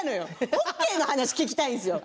ホッケーの話聞きたいんですよ。